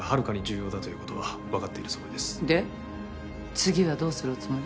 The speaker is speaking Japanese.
次はどうするおつもり？